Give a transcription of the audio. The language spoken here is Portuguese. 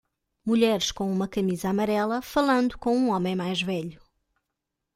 Mulheres com uma camisa amarela falando com um homem mais velho.